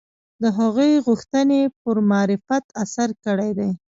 د هغوی غوښتنې پر معرفت اثر کړی دی